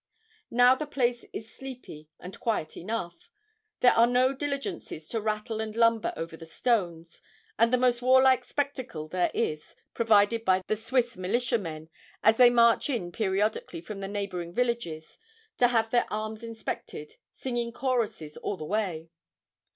Now the place is sleepy and quiet enough: there are no diligences to rattle and lumber over the stones, and the most warlike spectacle there is provided by the Swiss militiamen as they march in periodically from the neighbouring villages to have their arms inspected, singing choruses all the way.